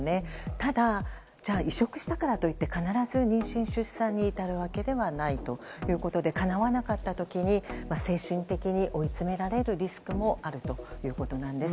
ただ、移植したからといって必ず妊娠・出産に至るわけではないということでかなわなかった時に精神的に追い詰められるリスクもあるということです。